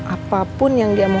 apapun yang dia mau